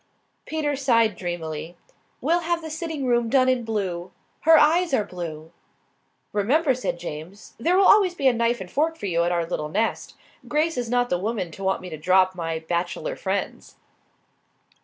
Peter sighed dreamily. "We'll have the sitting room done in blue. Her eyes are blue." "Remember," said James, "there will always be a knife and fork for you at our little nest. Grace is not the woman to want me to drop my bachelor friends."